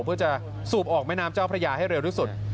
เพื่อจะสูบออกแม่น้ำเจ้าพระยาให้เร็วที่สุด